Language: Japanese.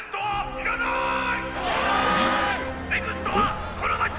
・いらなーい！